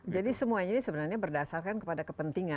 jadi semuanya ini sebenarnya berdasarkan kepada kepentingan kan